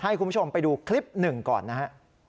ให้คุณผู้ชมไปดูคลิปหนึ่งก่อนนะฮะ